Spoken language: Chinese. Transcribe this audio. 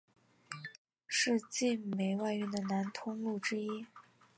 是晋煤外运的南通路之一。